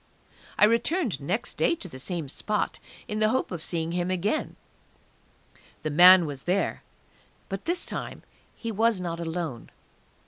I returned next day to the same spot, in the hope of seeing him again; the man was there, but this time he was not alone.